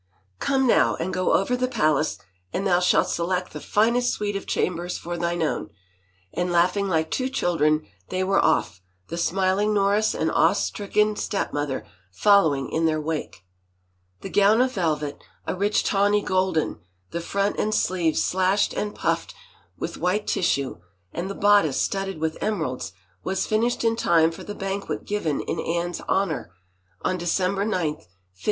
" Come now and go over the palace and thou shalt select the finest suite of chambers for thine own," and laughing like two children they were oflF, the smiling Norris and awe stricken stepmother following in their wake. The gown of velvet, a rich, tawny golden, the front and sleeves slashed and puffed with white tissue and the bodice studded with emeralds was finished in time for the banquet given in Anne's honor on December ninth, 1529.